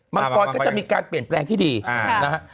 มังกรก็จะมีการเปลี่ยนแปลงที่ดีนะฮะ